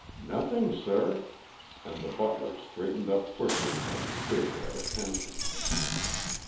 "Nothing, sir," and the butler straightened up quickly and stood at attention.